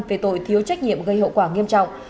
về tội thiếu trách nhiệm gây hậu quả nghiêm trọng